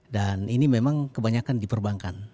dan ini memang kebanyakan diperbankan